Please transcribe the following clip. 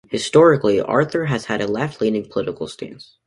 Historically, "Arthur" has had a left-leaning political stance.